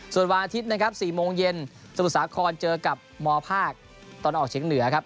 ส่วนวันอาทิตย์นะครับ๔โมงเย็นสมุทรสาครเจอกับมภาคตะวันออกเฉียงเหนือครับ